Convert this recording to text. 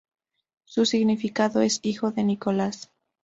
Su significado es ""hijo de Nicolás"".